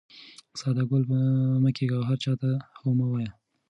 ساده ګل مه کېږه او هر چا ته هو مه وایه.